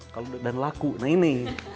kalau dan laku nah ini